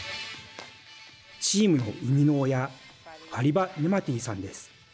チームの生みの親ファリバ・ネマティさんです。